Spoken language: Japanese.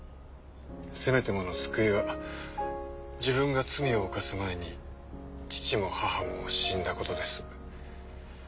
せめてもの救いは自分が罪を犯す前に父も母も死んだことです。